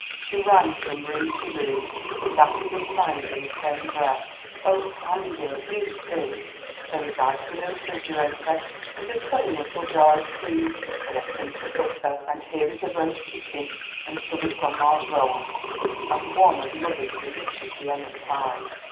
She ran from room to room laughing and crying in the same breath. "Oh, Sam, dear, do see, there is ice in the refrigerator and a cunning little jar of cream and a print of butter; and here is a roast chicken and some of grandma's rolls and one of mother's delicious lemon pies!